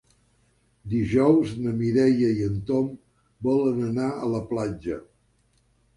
Dijous na Mireia i en Tom volen anar a la platja.